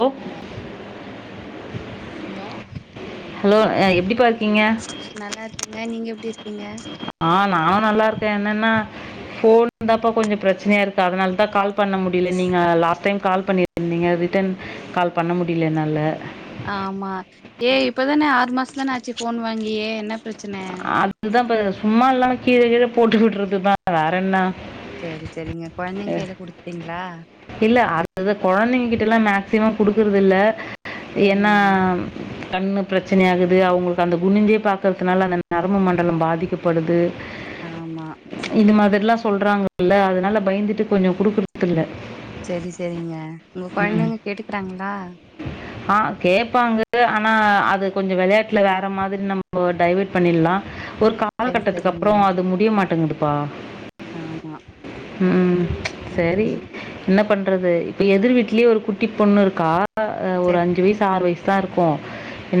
அ hello hello எப்டிப்பா இருக்கீங்க நல்லா இருக்கங்க நீங்க எப்டி இருக்கீங்க ஆ நானு நல்லாருக்கே என்னெனா ஃபோன்ந்தாப்ப கொஞ்சோ பிரச்சனையா இருக்கு அதனால தா கால் பண்ண முடில நீங்க லாஸ்ட் டைம் கால் பண்ணி ணீங்க ரிட்டர்ன் கால் பண்ண முடில எனனால ஆமா ஏ இப்பதான ஆறு மாசந்தான ஆச்சு ஃபோன் வாங்கியே என்ன பிரச்சன அதுக்கு தா பா சும்மால்லாம கீழ கீழ போட்டு விட்டுறது தா வேற என்ன செரி செரிங்க கொழந்தைங்க அஹ் கைல குடுத்ட்டீங்ளா இல்ல அடுதது கொழந்தைங்க கிட்டலா மேக்சிமம் குடுக்குறது இல்ல ஏன்னா செரிங்க கண்ணு பிரச்சனை ஆகுது அவங்களுக்கு அந்த குனிஞ்சே பாக்குறது இத்னால நம்ம நரம்பு மண்டல பாதிக்கப்படுது ஆமா இது மாதிரில்லா சொல்றாங்கல்ல அதனால பயந்துட்டு கொஞ்சோ குடுக்குறது பிள்ள சரி சரிங்க உங்க கொழந்தைங்க கேட்டுக்குறாங்களா ஆ கேப்பாங்க ஆனா அது கொஞ்சோ விளையாட்டுல வேற மாதிரி நம்ப டைவர்ட் பண்ணிலா ஒரு கால செரி கட்டத்துக்கு செரிங்க அப்பறோ அது முடிய மாட்டேங்குதுப்பா ஆமா ம் சரி ம் என்ன பண்றது இப்ப எதிர் வீட்லயே ஒரு குட்டி பொண்ணு இருக்கா ஒரு அஞ்சு செரிங்க வயசு ஆறு வயசு தா இருக்கோ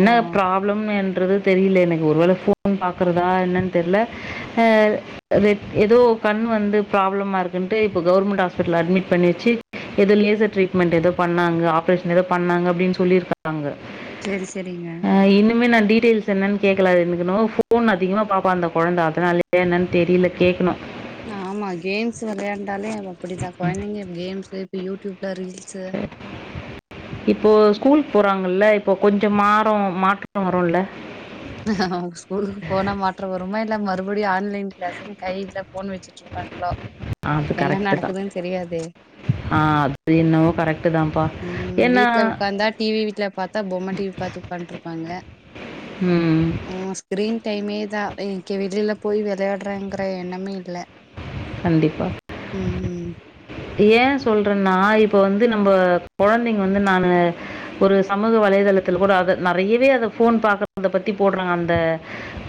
ஓ ப்ராப்ளம் என்றது தெரில எனக்கு ஒருவேல ஃபோன் பாக்குறதா என்னன் தெரில ஆ ரெட் ஏதோ கண் வந்து ப்ராப்ளமா இருக்குன்ட்டு இப்போ கவர்மெண்ட் ஹாஸ்பிடல்ல அட்மிட் பண்ணி வச்சி இது லேசர் ட்ரீட்மெண்ட் எதோ பண்ணாங்க ஆப்ரேஷன் எதோ பண்ணாங்க அப்டின் சொல்லிருக்காங்க செரி செரிங்க ஆ இனிமே நா டீடெய்ல்ஸ் என்னன் கேக்கலா எனக்கென்னவோ ஃபோன் அதிகமா பாப்பா அந்த கொழந்த அதனாலயா என்னன் தெரில கேக்கணு ஆமா கேம்ஸ் விளையாண்டாலே அப்டித்தா கொழந்தைங்க கேம்ஸூ இப்ப யூடியூப்ல ரீல்ஸு இப்போ ஸ்கூல் போறாங்கல்ல இப்போ கொஞ்சோ மாற மாற்ற வருல்ல ஸ்கூலுக்கு போனா மாற்ற வருமா இல்ல மறுபடியு ஆன்லைன் லெஸன் கைல ஃபோன் வச்சுட்டு இருப்பாங்களோ அது என்ன கரெக்டு தான் நடக்குதுன் தெரியாதே ஆ அது என்னவோ கரெக்ட் தான்ப்பா ம் ஏன்னா வீட்ல உக்காந்தா டி வி வீட்ல பாத்தா பொம்ம டி வி பாத்து உக்கான்டு இருப்பாங்க ம் கிரீன் டைமே தான் இ வெளில போய் விளையாடுறங்கிற எண்ணமே இல்ல கண்டிப்பா ம் ம் ஏ சொல்றனா இப்ப வந்து நம்ப கொழந்தைங்க வந்து நானு ஒரு சமூக வலைதளத்துல கூட அத நெறையவே அத ஃபோன் பாக்கறத பத்தி போட்றா அந்த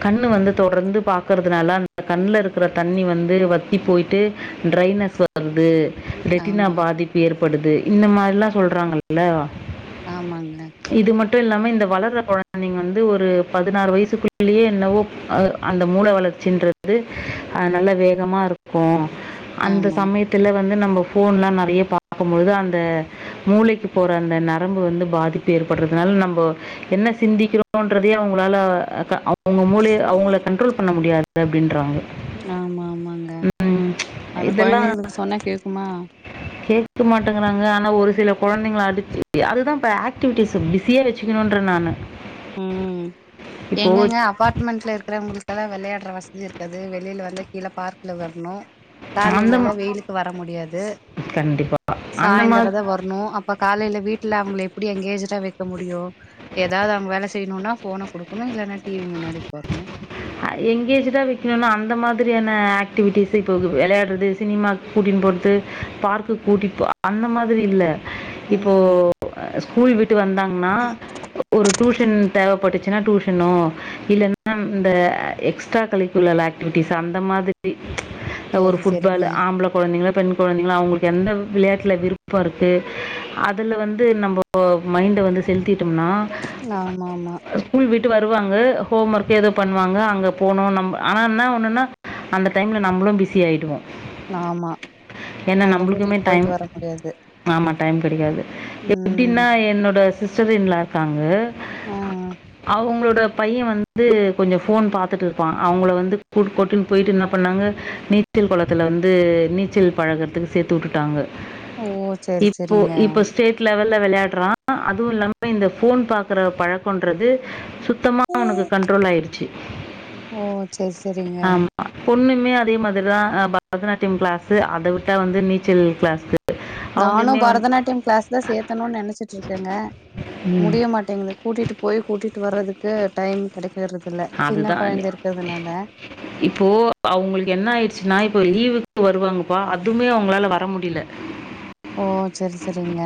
கண்ணு வந்து தொடர்ந்து பாக்கறதனால அந்த கண்ல இருக்கறத் தண்ணி வந்து வத்திப் போயிட்டு டிரைனஸ் வருது ரெட்டினா ஆமா பாதிப்பு ஏற்படுது இந்த மாரிலா சொல்றாங்கல்ல ஆமாங்க இது மட்டு இல்லாம இந்த வளர்றக் கொழந்தைங்க வந்து ஒரு பதுனாறு வயசுக்குள்ளியே என்னவோ அ அந்த மூள வளர்ச்சின்றது அ நல்ல வேகமா இருக் கு அந்த ஆமா சமயத்துல வந்து நம்ம ஃபோன்லா நெறைய பாக்கும் பொழுது அந்த மூளைக்குப் போற அந்த நரம்பு வந்து பாதிப்பு ஏற்பட்றதனால நம்போ என்ன சிந்திக்கிறோன்றதயே அவுங்களால க அவுங்க மூலிய அவுங்கள கண்ட்ரோல் பண்ண முடியாது அப்டின்றாங்க ஆமா ஆமாங்க அத கொழந்தைங்களுக்கு சொன்னா கேக்குமா கேக்க மாட்டேங்கறாங்க ஆனா ஒரு சில கொழந்தைங்கள அடிச்சி அதுதா இப்ப ஆக் டிவிட்டிஸ்சு பிஸியாக வெச்சுக்கிணுன்ற நானு ம் எங்கங்க அப்பார்ட்மெண்ட்ல இருக்கறவங்ளுக் கெலா வெளையாட்ற வசதி இருக்காது வெளில வந்து கீழ பார்க்ல வர்ணு காலைலல்லா அந்த வெயிலுக்கு வர முடியாது கண்டிப்பா. அந்த மாதிரி சாய்ந்தரதா வர்ணு அப் ப்ப காலைல வீட்ல அவுங்கள எப்டி எங்கேஜ்டுடா வெக்க முடியு எதாவ்த வேல செய்ணுனா ஃபோன குடுக்கணு இல்லனா டி வி முன்னாடி வுக்கார்னு அ எங்கேஜ்டுடா வெக்ணுனா அந்த மாதிரியான ஆக்டிவிட்டிஸ்சு இப்பகு வெளையாட்றது சினிமாக் கூட்டின் போறது ஃபார்க்குக் கூட்டிட்போ அந்த மாதிரி இல்ல இப்போ ம் ஸ்கூல் விட்டு வந்தாங்னா ஒரு டூஷ் சன் தேவப்பட்டுச்சுனா டூஷனோ இல்லனா இந்த அ எக்ஸ்ட்ரா கலிக்குழல் ஆக்டிவிட்டிஸ் அந்த மாதிரி அ ஒரு சரி ஃபுட் பால் சரிங்க ஆம்பள கொழந்தைங்கள பெண் கொழந்தைங்கள அவுங்குளுக்கு எந்த விளையாட்ல விருப்ப இருக்கு அதுல வந்து நம்போ ஒ மைண்ட வந்து செலுத்திட்டம்னா ஆமா மா ஸ்கூல் விட்டு வருவாங்க ஹோம் ஒர்க் எதோ பண்வாங்க அங்க போனு நம்ம ஆனா என்ன ஒன்னுனா அந்த டைம்ல நம்புளும் பிஸி ஆயிடுவோ ஆமா அவங்ள கூட்டிட்டு போயிட்டு வர முடியாது ஆமா டைம் கெடைக்காது ம் எப்டின்னா என்னோட சிஸ்டர் இன் லா இருக்காங்கே அ அ அவுங்ளோட பைய வந்து கொஞ்சோ ஃபோன் பாத் திட்டு இருப்பா அவுங்கள வந்து கூட் கூட்டுன் போய்ட்டு என்னப் பண்ணாங்க நீச்சல் கொளத்துல வந்து நீச்சல் பழகுறதுக்கு சேத்து வுட்டுட்டாங்க ஓ சரி இப்போ சரிங்க இப்பச் ஸ்டேட் லெவல்ல வெளையாட்றா அதுவு இல்லாம இந்த ஃபோன் பாக்கற பழக்கோன்றது சுத் த்தமா அவனுக்கு கண்ட்ரோல் ஆயிருச்சி ஓ சேர் சேரிங்க அ பொண்ணுமே அதே மாதிரிதா அ பரதநாட்டியம் கிளாஸு அத விட்டா வந்து நீச்சல் கிளாஸ்க்கு நானு அவங்களுமே வந் பரதநாட்டியம் கிளாஸ்ல சேத்தணு நெனச்சிட்ருக்கேங்க ம். முடிய மாட்டேங்குது கூட்டிட்டு போய் கூட்டிட்டு வர்றதுக்கு டைம் கெடைக்கிறது இல்ல சின்ன அதுதான். நி கொழந்த இருக்கறதனால இப்போ அவுங்குளுக் என்ன ஆயிருச்சுனா இப்போ லீவுக்கு வருவாங்கப்பா அதுமே அவுங்ளால வர முடில [inaudible] ஓ செரி செரிங்க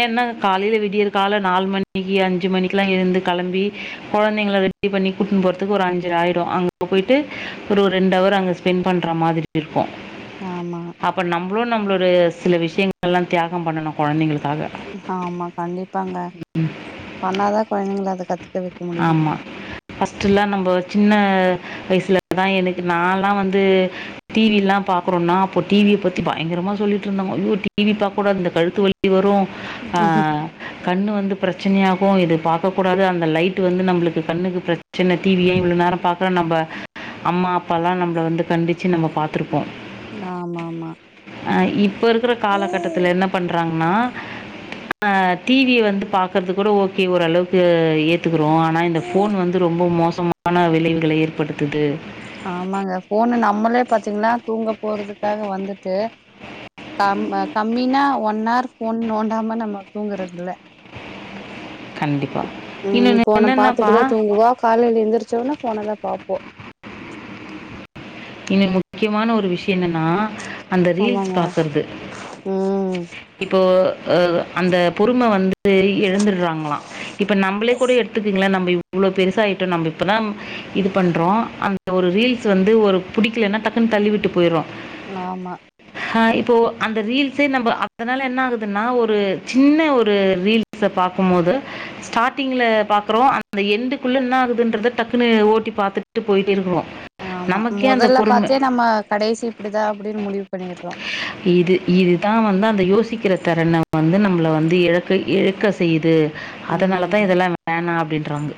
ஏன்னா காலைல விடியற் கால நாலு மணிக்கு அஞ்சு மணிக்குலா எழுந்து கெளம்பி கொழந்தைங்கள ரெ டி பண்ணி கூட்னு போறதுக்கு ஒரு அஞ்சர ஆய்டு அங்க போய்ட்டு ஒரு ரெண்டவர் அங்க ஸ்பெண்ட் பண்ற மாதிரி இருக்கோ ஆமா அப்ப நம்பலு நம்பலொறு சில விஷயங்கள்லா தியாக பண்ணணு கொழந்தைங்களுக்காக ஹாமா கண்டிப்பாங்க பண்ணாதா கொழந்தைங்களு அத கத்து ஆமா ஃபர்ஸ்ட்டுலா நம்ப சின்ன வயசுலதா எனக்கு நால்லா வந்து டிவில்லா பாக்றோனா அப்போ டிவிய பத்தி பயங்கரமா சொல்லிட்டு இருந்தாங்க ஐயோ டிவி பாக்க கூடாது இந்த கழுத்து வலி லி வரு அ கண்ணு வந்து பிரச்சனையாகு இது பாக்க கூடாது அந்த லைட் டு வந்து நம்பளுக்கு கண்ணுக்கு பிரச்சன டிவிய இவ்ள நேர பாக்குறோ நம்ப அம்மா அப்பால்லா நம்பள வந்து கண்டிச்சு நம்ப பாத்துருப்போ ஆ மா மா அ இப்ப இருக்குற கால கட்டத்துல என்னா பண்றாங்னா அ டிவிய வந்து பாக்றது கூட ஓகே ஓரளவுக்கு ஏத் துக்குறோ ஆனா இந்த ஃபோன் வந்து ரொம்ப மோசமான விளைவுகள ஏற்படுத்துது ஆமாங்க ஃபோனு நம்மளே பாத்தீங்னா தூங்க போறதுக்காக வந்துட்டு கம் கம்மினா ஒன்னார் ஃபோன் நோண்டாம நம்ம தூங்குறது இல்ல கண்டிப்பா காலைல எந்திரச்சொன்ன ஃபோனதா பாப்போ இன்னு முக்கியமான ஒரு விஷய என்னனா அந்த ரீல்ஸ் ஆமாங்க பாக்றது ம் இப்போ அ அந்த பொறும வந்து இழந்துட்றாங்ளா இப்ப நம்பளே கூட எடுத்துக்கங்களே நம்ப இவ்ளோ பெருசாய்ட்டோ நம்ப இப்பதா இது பண்றோ அந்த ஒரு ரீல்ஸு வந்து ஒரு புடிக்லன்னா டக்குன்னு தள்ளிவிட்டு போய்ட்றோ நாமா ஹா இப்போ அந்த ரீல்ஸே நம்ப அதனால என்ன ஆகுதுன்னா ஒரு சின்ன ஒரு ரீல் ஸ பாக்கு மோது ஸ்டாடிங்ல பாக்குறோ அந்த எண்டுக்குள்ள இன்னாகுதுன்றத டக்குன்னு ஓட்டி பாத்துட்டு போய்ட்டே இருக்றோ ஆமா மொதல்ல பாத்தே நம்ம கடைசி இப்டிதா அப்டின் முடிவு பண்ணிறோ இதுதா வந்து அந்த யோசிக்கிற தெறன வந்து நம்ள வந்து எழக்க இழுக்க செய்து அதனாலதா ம் இதெல்லா வேணா அப்டின்றாங்க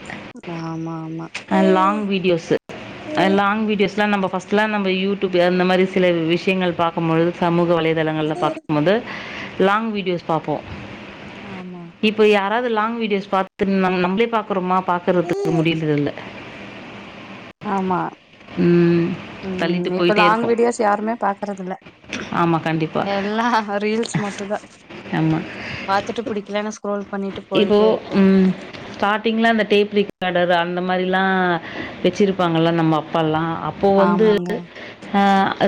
ஆமா மா வீடியோஸ்லா நம்ப ஃபர்ஸ்ட்லா நம்ப யூடூயூப்ல அந்த மாரி சில விஷயங்கள் பாக் கும் பொழுது சமூக வலைதளங்கல்ல பாக்குபோது லாங் வீடியோஸ் பாப்போ ஆமா இப்போ யாராது லாங் வீடியோஸ் பாத்து நம் நம்ளே பாக்றோமா பாக்றத்க்கு முடியுரது இல்ல ஆமா ம் தள்ளிட்டு ம் இப்ப போயிட்டே லாங் வீடியோஸ் யாருமே பாக்குறது இல்ல ஆமா கண்டிப்பா எல்லா ரீல்ஸு மட்டுதா ஆமா பாத்துட்டு புடிக்கலன்னா ஸ்க்ரோல் பண்ணிட்டு ஓ போயிட் ம் ஸ்டாட்டிங்ல அந்த டேப்ரிக்காடர் அந்த மாரில்லா வச்சிருப்பாங்கள்ள நம்ம அப்பால்லா அப் போ வந் ஆமாங்க ஆ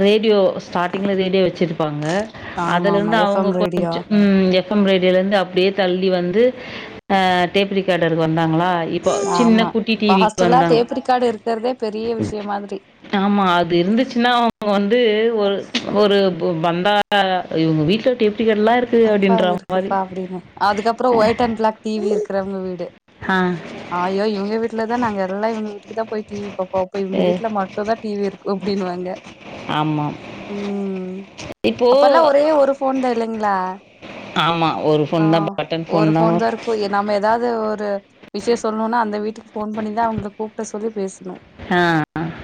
ரேடியோ ஸ்டார்ட்டிங்ல ரேடியோ வெச்சிருப்பாங்க ஆமா ஆமா அதுலர்ந்து எஃப் அவங்க எம் ரேடியோ கொஞ்சு ம் ய எஃப் எம் ரேடியோல இருந்து அப்டியே தள்ளி வந்து அ டேப் ரிக்கார்டர்க்கு வந்தாங்களா இப்போ ஆம்மா சின்ன குட்டி இப்ப டிவிக்கு ஃபஸ்டல்லா வந்தாங்க டேப்ரிக்கார்டு இருக்கிறதே பெரிய விஷய மாதிரி ஆம்மா அது இருந்துச்சுன்னா அவ்ங்க வந்து ஒரு ஒரு ஒ பந்தா இவங்க வீட்ல டேப் ரிக்கார்டர்ல்லா இருக் அப்பா அங்கிருக்குப்பா அப்டின்ன அதுக்கப்றோ ஒயிட் அண்ட் பிளாக் டிவி இருக்குறவங்க வீடு ஹா ஆய்யோ இவங்க வீட்டுல தா நாங்க இருந்தோ இவங்க வீட்டுக்கு தா போய் டிவி பாப்போ போய் இவங்க ஏ வீட்ல மட் டுந்தா டிவி இருக்கோ அப்டின்வாங்க ஆமா இப்போ அப்பல்லா ஒரே ஒரு ஃபோன்தா இல்லைங்களா ஆமா ஒரு ஃபோன் தா பட்டன் ஃபோன் தா போய் நம்ம ஏதாவது ஒரு விஷய சொல்ணுனா அந்த வீட்டுக்கு ஃபோன் பண்ணிதா அவங்கள கூப்ட சொல்லி பேசணு ஆ.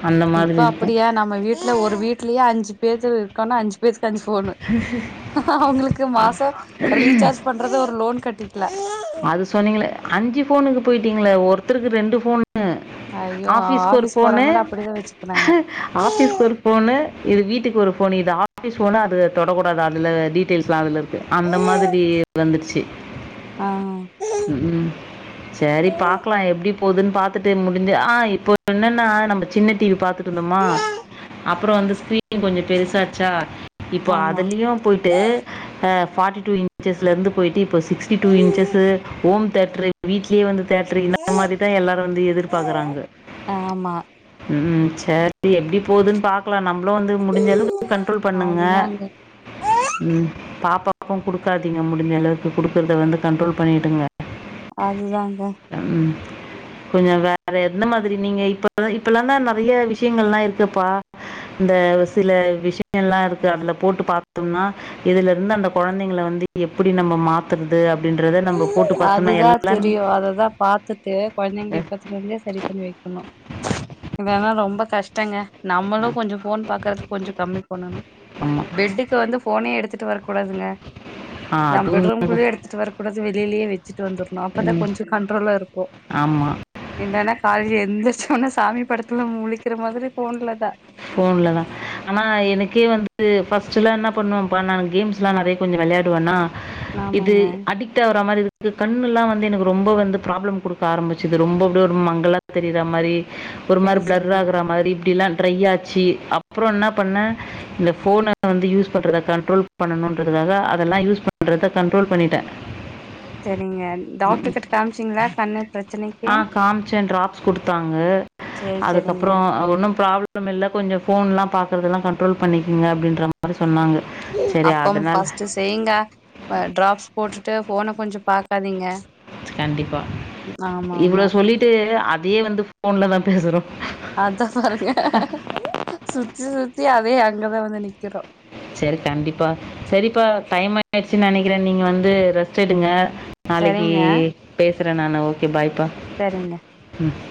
அந்த இப்ப மாதிரி இருக்கும். அப்டியா நம்ம வீட்ல ஒரு வீட்லயே அஞ்சு பேஜர் இருக் கோனா அஞ்சு பேஜ்க்கு அஞ்சு ஃபோன்னு அவங்களுக்கு அ மாசோ ரீசார்ஜ் பண் பண்றது ஒரு லோன் கட்டிக்கலா அது சொன்னீங்களே அஞ்சு ஃபோன்னுக்கு போயிட்டீங்களே ஒருத்தருக்கு ரெண்டு ஃபோன் அய்யோ ஆஃபீஸ்க்கு ஒரு ஆஃபீஸ் ஃபோனு போறவங்களா அப்டிதா வெச்சுக்குறாங்க ஆஃபீஸ்க்கு ஒரு ஃபோன்னு இது வீட்டுக்கு ஒரு ஃபோன்னு இது ஆபிஸ் ஃபோன்னு அது தொடக்கூடாது இது தொடக்கூடாது அதுல டீடெயில்ஸ்லா அதுல இருக் அந்த மாதிரி வந்துருச்சு ஆ ஹ் ஹ் ம் செரி பாக்கலா எப்படி போகுதுன்னு பாத்துட்டு முடிஞ்சு ஆஹ் இப்போ என்னன்னா நம்ம சின்ன டிவி பாத்துட் ட்டு இருந்தோமா அப்புற வந்து ஸ்கிரீ னு கொஞ்சோ பெருசாச்சா இப்போ ஆமா அதுலயு போயிட்டு அ ஃபார்டி டூ இன்செஸ்ல இருந்து போயிட்டு இப்ப சிக்ஸ்டி டூ இன்செஸ்ஸு ஓம் தேட்ரு வீட்லயே வந்து தேட்ரு இந்த மாரிதா எல்லாரு வந்து எதிர்பாக்குறாங்க ஆமா ம் சேரி எப்டி போகுதுன்னு பாக்கலா நம்மளு வந்து முடிஞ்சளவுக்கு கண்ட்ரோல் பண்ணுங்க அதுதாங்க ம் பாப்பாக்கு குடுக்காதீங்க முடிஞ்ச அளவுக்கு குடுக்குறத வந்து கண்ட்ரோல் பண்ணிடுங்க அதுதாங்க அ ம் கொஞ்சோ வேற எந்த மாதிரி நீங்க இப்பல இப்பல்லாந்தா நெறைய விஷயங்கள்ல்லா இருக்குப்பா இந்த சில விஷயோ எல்லா இருக்கு அதுல போட்டு பாத்தோம்னா இதுல இருந்து அந்த குழந்தைங்கள வந்து எப்டி நம்ம மாத் துறது அப்டின்றத நம்ம போட்டு பாத்தோன்னா எல்லாமே அதா பாத்துட்டு குழந்தைங்க அ இப்பத் தில இருந்தே செரி பண்ணி வெக்கணு இல்லனா ரொம்ப கஷ்டங்க நம்மளு கொஞ்சோ ஃபோன் பாக்கறத கொஞ்சோ கம்மி பண்ணணு ஆமா. பெட்டுக்கு வந்து ஃபோனே எடுத்துட்டு வர கூடாதுங்க ஆ அது நம் உண்மதான். பெட்ரூம்குள்ளயே எடுத்துட்டு வர கொஞ்சோ வெளிலியே வெச்சிட்டு வந்துருனோ அப்பதா ம். கொஞ்சோ கண்ட்ரோலா இருப்போ ஆமா. இந்தன காலேஜ் எந்தர்ச்சுன்னே சாமி படத்துல முழிக்கிற மாதிரி ஃபோன்ல தா ஃபோன்லதா ஆனா எனக்கே வந்து ஃபர்ஸ்ட்டெல்லா என்ன பண்ணுவ பா நா கேம்ஸ் ல்லா நெறைய கொஞ்சோ விளையாடுவன்னா இது ஆமாங்க அடிக் க்ட் ஆவுரமாரி இருக்கு கண்ணுல்லா வந்து எனக்கு ரொம்ப வந்து ப்ராப்ளம் குடுக்க ஆரம்பிச்சுது ரொம்ப அப்டியே ஒரு மங்களா தெரிற மாரி ஒரு மாரி செரி பிளர் செரிங்க ஆகுற மாரி இப்டில்லா ட்ரை ஆச்சி அப்புறோ என்ன பண்ண இந்த ஃபோன வந்து யூஸ் பண்றத கண்ட்ரோல் பண்ணணுன்றதுக்காக அதெல்லா யூஸ் பண்றத கண்ட்ரோல் பண்ணிட்டே [inaudible] செரிங்க டாக்டர் கிட்ட காமிச்சீங்களா கண்ணு பிரச்சனைக்கு ஆ காம்ச்சே டிராப்ஸ் குடுத்தாங்க செரி செரிங்க அதுக்கப்றோ ஒண்ணும் ப்ராப்ளம் இல்ல கொஞ்சொ ஃபோன்லா பாக்குறதுலா கண்ட்ரோல் பண்ணிக்குங்க அப்டின்ற மாரி சொன்னாங்க சரி அப்பம் அதனால ஃபஸ்ட்டு செய்ங்க வ ட்ராப்ஸ் போட்டுட்டு போன கொஞ்சொ பாக்காதீங்க கண்டிப்பா ஆமா இவ்ளோ ஆமா சொல்லிட்டு அதையே வந்து ஃபோன்லதா பேசுறோ அதா பாருங்க சுத்தி சுத்தி அதே அங்கதா வந்து நிக்கிறோ செரி கண்டிப்பா செரிப்பா டைம் ஆயிடுச்சு நெனைக்கிறே நீங்க வந்து ரெஸ்ட் எடுங்க நாளைக்கீ சரிங்க பேசுறே நானு ஓகே பாய்ப்பா சரிங்க உம்